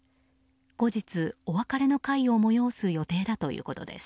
後日、お別れの会を催す予定だということです。